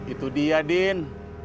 itu dia din